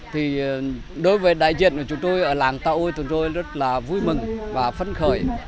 thì đối với đại diện của chúng tôi ở làng tàu chúng tôi rất là vui mừng và phấn khởi